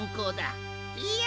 いや。